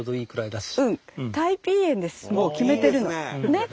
ねっ。